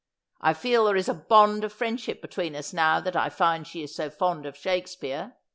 I feel there is a bond of friendship between us now that I find she is so fond of Shakespeare.'